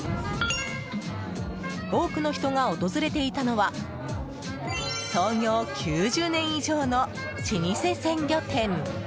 多くの人が訪れていたのは創業９０年以上の老舗鮮魚店。